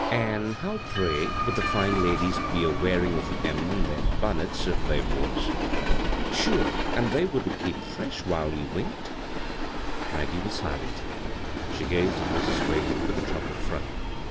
" An' how, pray, would the fine ladies be a wearin' of 'em on th^ bunnits if they was ? Sure, an' they wouldn't keep firesh while ye winked." Maggie was silent She gazed at Mrs. Whalen with a troubled frown.